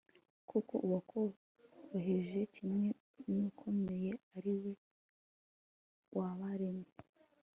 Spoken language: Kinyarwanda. kuko uworoheje kimwe n'ukomeye ari we wabaremye